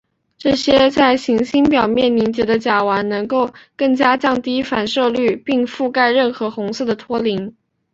这些在行星表面凝结的甲烷能够更加降低反射率并覆盖任何红色的托林。